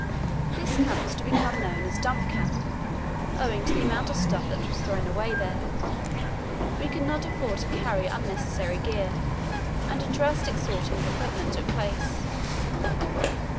This camp was to become known as Dump Camp, owing to the amount of stuff that was thrown away there. We could not afford to carry unnecessary gear, and a drastic sorting of equipment took place.